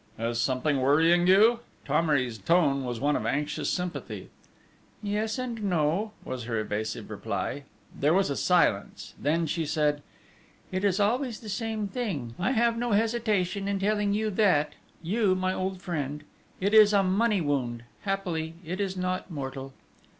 "Is something worrying you?" Thomery's tone was one of anxious sympathy. "Yes and no," was her evasive reply. There was a silence; then she said: "It is always the same thing! I have no hesitation in telling you that, you, my old friend: it is a money wound happily it is not mortal."